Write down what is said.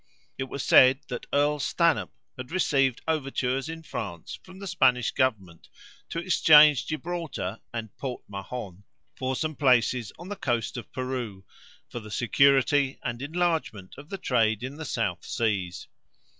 It was said that Earl Stanhope had received overtures in France from the Spanish government to exchange Gibraltar and Port Mahon for some places on the coast of Peru, for the security and enlargement of the trade in the South Seas.